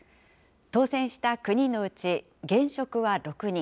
当選した９人のうち現職は６人。